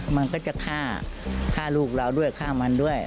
มันก็จะฆ่าฆ่าลูกเราด้วยฆ่ามันด้วย